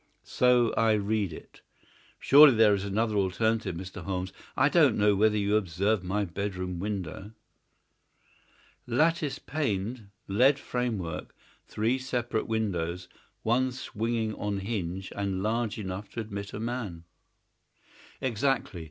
"So I read it." "Surely there is another alternative, Mr. Holmes. I don't know whether you observed my bedroom window?" "Lattice paned, lead framework, three separate windows, one swinging on hinge and large enough to admit a man." "Exactly.